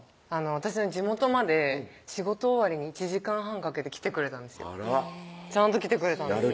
私の地元まで仕事終わりに１時間半かけて来てくれたんですよちゃんと来てくれたんですよね